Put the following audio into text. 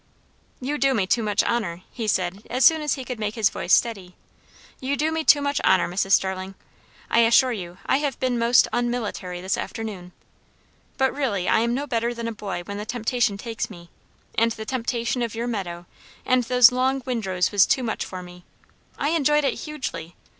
"You do me too much honour," he said as soon as he could make his voice steady; "you do me too much honour, Mrs. Starling. I assure you, I have been most unmilitary this afternoon; but really I am no better than a boy when the temptation takes me; and the temptation of your meadow and those long windrows was too much for me. I enjoyed it hugely.